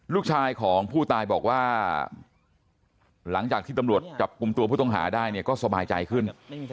ลูกชายของผู้ตายบอกว่าหลังจากที่ตำรวจจับกลุ่มตัวผู้ต้องหาได้เนี่ยก็สบายใจขึ้น